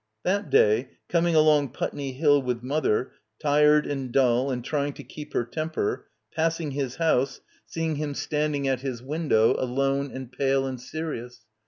... That day, coming along Putney Hill with mother, tired and dull and trying to keep her temper, passing his house, seeing him standing at his window, alone and pale and serious.